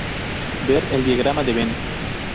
Ver el Diagrama de Venn.